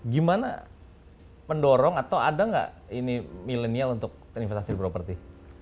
gimana mendorong atau ada gak ini milenial untuk investasi property